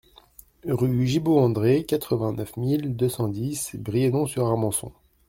Rue Gibault André, quatre-vingt-neuf mille deux cent dix Brienon-sur-Armançon